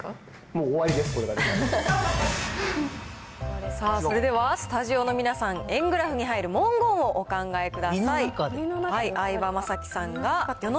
もう終わりです、これが出たそれではスタジオの皆さん、円グラフに入る文言をお考えください。